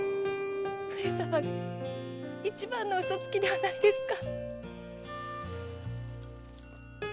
上様が一番のウソつきではないですか。